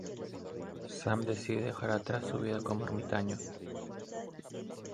Sam decide dejar atrás su vida como ermitaño.